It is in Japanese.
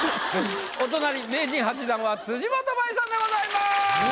お隣名人８段は辻元舞さんでございます。